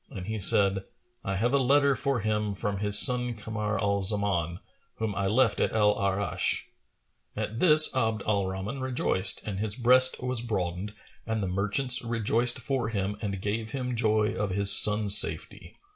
and he said, "I have a letter for him from his son Kamar al Zaman, whom I left at Al Arнsh."[FN#437] At this Abd al Rahman rejoiced and his breast was broadened and the merchants rejoiced for him and gave him joy of his son's safety.